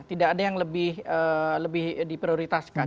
tidak ada yang lebih di prioritaskan